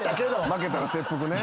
「負けたら切腹」ね。